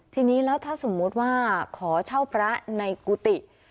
ทีนี้แล้วถ้าสมมุติว่าขอเช่าพระในกุฏิ